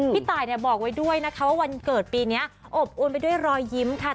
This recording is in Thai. พี่ตายบอกไว้ด้วยนะคะว่าวันเกิดปีนี้อบอุ่นไปด้วยรอยยิ้มค่ะ